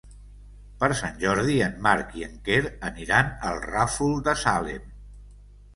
Per Sant Jordi en Marc i en Quer aniran al Ràfol de Salem.